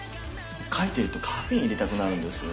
書いてるとカフェイン入れたくなるんですよ。